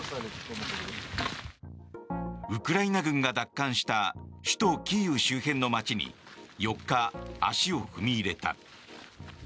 ウクライナ軍が奪還した首都キーウ周辺の街に４日、足を踏み入れた。